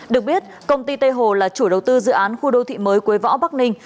được biết công ty tây hồ là chủ đầu tư dự án khu đô thị mới quế võ bắc ninh